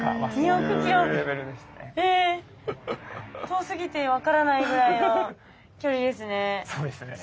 遠すぎて分からないぐらいの距離ですね。